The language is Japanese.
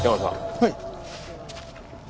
はい。